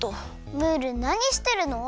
ムールなにしてるの？